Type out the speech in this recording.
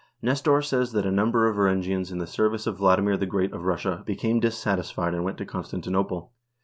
Nestor says that a number of Varangians in the service of Vladimir the Great of Russia became dissatisfied and went to Constantinople.